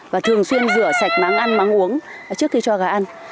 và thường xuyên rửa sạch mắng ăn mắng uống trước khi cho gà ăn